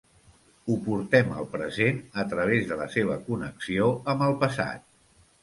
Ho portem al present a través de la seva connexió amb el passat.